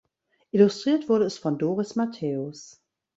Illustriert wurde es von Doris Matthäus.